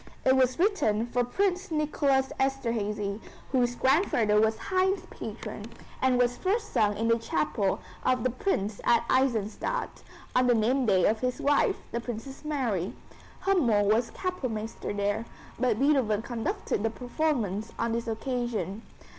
It was written for Prince Nicholas Esterhazy, whose grandfather was Haydn's patron, and was first sung in the chapel of the Prince at Eisenstadt, on the name day of his wife, the Princess Marie. Hümmel was Kapellmeister there, but Beethoven conducted the performance on this occasion.